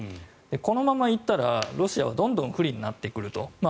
このまま行ったらロシアはどんどん不利になってくると。